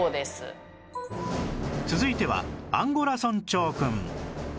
続いてはアンゴラ村長くん